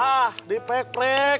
nah di pek pek